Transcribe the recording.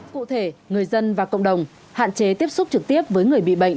cụ thể người dân và cộng đồng hạn chế tiếp xúc trực tiếp với người bị bệnh